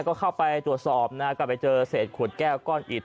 ก็เข้าไปตรวจสอบนะก็ไปเจอเศษขวดแก้วก้อนอิด